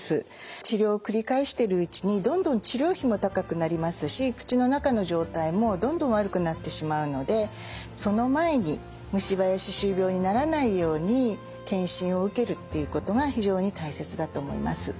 治療を繰り返してるうちにどんどん治療費も高くなりますし口の中の状態もどんどん悪くなってしまうのでその前に虫歯や歯周病にならないように健診を受けるっていうことが非常に大切だと思います。